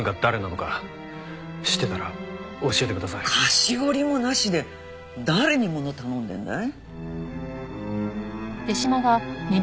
菓子折りもなしで誰にもの頼んでるんだい？